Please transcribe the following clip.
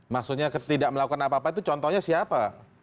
maksudnya tidak melakukan apa apa itu contohnya siapa